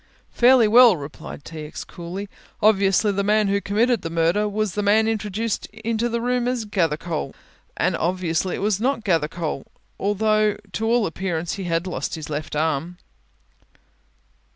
"Fairly well," replied T. X. coolly; "obviously the man who committed the murder was the man introduced into the room as Gathercole and as obviously it was not Gathercole, although to all appearance, he had lost his left arm."